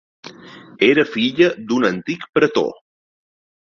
Era filla d'un antic pretor.